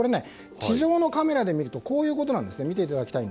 地上のカメラで見るとこういうことなんですね。